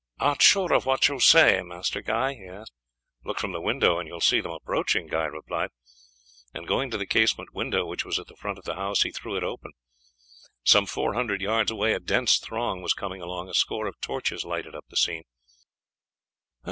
"Art sure of what you say, Master Guy?" he asked. "Look from the window and you will see them approaching," Guy replied, and going to the casement window which was at the front of the house he threw it open. Some four hundred yards away a dense throng was coming along; a score of torches lighted up the scene.